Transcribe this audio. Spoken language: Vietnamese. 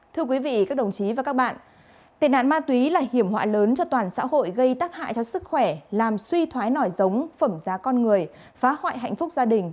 thưa quý vị các đồng chí và các bạn tệ nạn ma túy là hiểm họa lớn cho toàn xã hội gây tác hại cho sức khỏe làm suy thoái nỏi giống phẩm giá con người phá hoại hạnh phúc gia đình